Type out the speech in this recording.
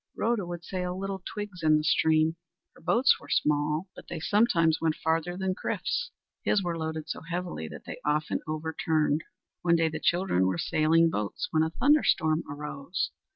Rhoda would sail little twigs in the stream. Her boats were small, but they sometimes went farther than Chrif's. His were loaded so heavily that they often overturned. One day the children were sailing boats when a thunder storm arose.